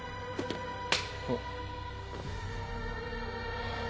あっ。